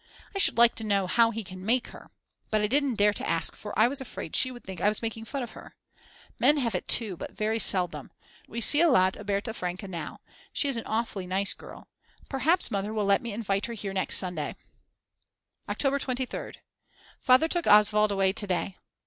I should like to know how he can make her. But I didn't dare to ask for I was afraid she would think I was making fun of her. Men have it too, but very seldom. We see a lot of Berta Franke now, she is an awfully nice girl, perhaps Mother will let me invite her here next Sunday. October 23rd. Father took Oswald away to day.